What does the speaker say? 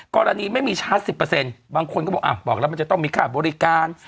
กรณีไม่มีชาร์จ๑๐บางคนก็บอกบอกแล้วมันจะต้องมีค่าบริการ